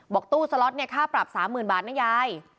ตู้สล็อตเนี่ยค่าปรับ๓๐๐๐บาทนะยาย